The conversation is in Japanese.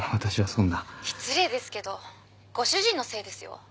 ☎失礼ですけどご主人のせいですよ。